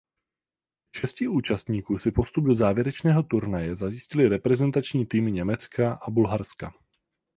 Ze šesti účastníků si postup do závěrečného turnaje zajistily reprezentační týmy Německa a Bulharska.